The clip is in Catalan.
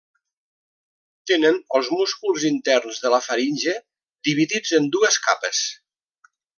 Tenen els músculs interns de la faringe dividits en dues capes.